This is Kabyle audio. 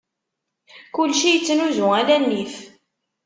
Kulci ittnuzu ala nnif.